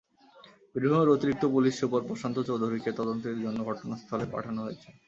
বীরভূমের অতিরিক্ত police super Prashant চৌধুরীকে তদন্তের জন্য ঘটনাস্থলে পাঠানো হয়েছে।